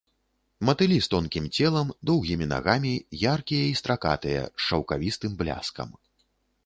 Матылі з тонкім целам, доўгімі нагамі, яркія і стракатыя, з шаўкавістым бляскам.